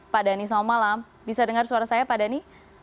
pak dhani selamat malam bisa dengar suara saya pak dhani